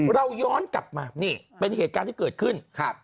เราย้อนกลับมานี่เป็นเหตุการณ์ที่เกิดขึ้นครับ